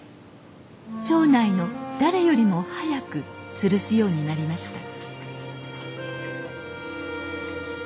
町内の誰よりも早くつるすようになりました